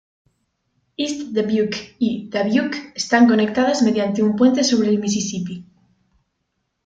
East Dubuque y Dubuque están conectadas mediante un puente sobre el Misisipí.